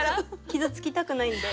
傷つきたくないんで。